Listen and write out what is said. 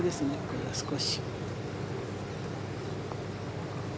これは、少し。